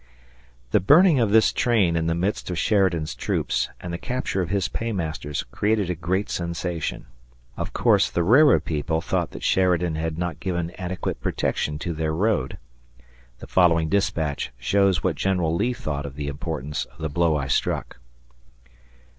The burning of this train in the midst of Sheridan's troops and the capture of his paymasters created a great sensation. Of course, the railroad people thought that Sheridan had not given adequate protection to their road. The following dispatch shows what General Lee thought of the importance of the blow I struck.